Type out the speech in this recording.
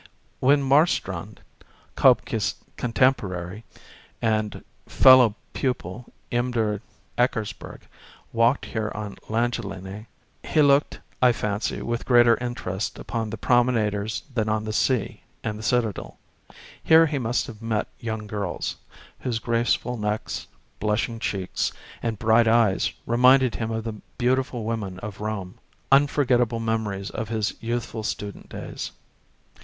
When Marstrand, K0bke's contemporary and fellow pupil imder Eckersberg, walked here on Langelinie, he looked, I fancy with greater interest upon the promenaders than on the sea and the Citadel. Here he must have met 35 young girls, whose graceful necks, blushing cheeks, and bright eyes reminded him of the beautiful women of Rome â€" ^unforgettable memories of his youthful student days.